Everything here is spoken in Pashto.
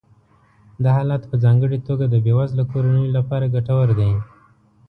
دا حالت په ځانګړې توګه د بې وزله کورنیو لپاره ګټور دی